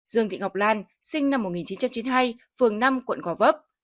dương thị ngọc lan sinh năm một nghìn chín trăm chín mươi hai phường năm quận gò vấp